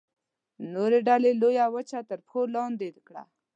نورې ډلې لویه وچه تر پښو لاندې کړه.